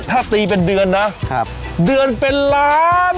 ถ้าตีเป็นเดือนนะเดือนเป็นล้าน